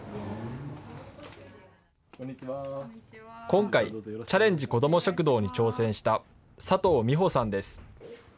今回、チャレンジこども食堂に挑戦した佐藤美保さんです。